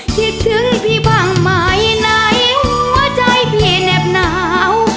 คิดถึงพี่บ้างไหมไหนหัวใจพี่เหน็บหนาว